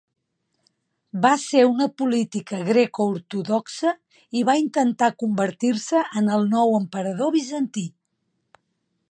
Va seguir una política greco-ortodoxa i va intentar convertir-se en el nou emperador bizantí.